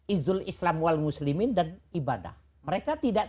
izul islam wal muslimin dan ibadah mereka tidak